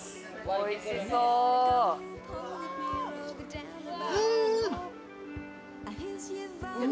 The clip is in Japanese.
おいしそう。